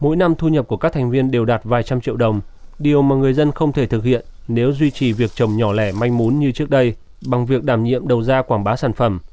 mỗi năm thu nhập của các thành viên đều đạt vài trăm triệu đồng điều mà người dân không thể thực hiện nếu duy trì việc trồng nhỏ lẻ manh mún như trước đây bằng việc đảm nhiệm đầu ra quảng bá sản phẩm